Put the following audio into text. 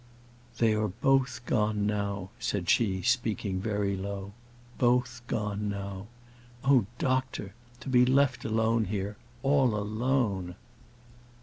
"They are both gone now," said she, speaking very low; "both gone now. Oh, doctor! To be left alone here, all alone!"